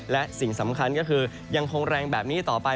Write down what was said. และสิ่งสำคัญก็คือยังคงแรงแบบนี้ต่อไป